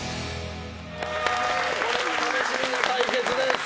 これは楽しみな対決です。